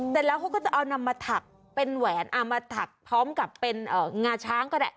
เสร็จแล้วเขาก็จะเอานำมาถักเป็นแหวนเอามาถักพร้อมกับเป็นงาช้างก็ได้